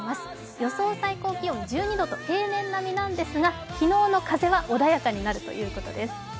予想最高気温１２度と平年並みなんですが、昨日の風は穏やかになるということです。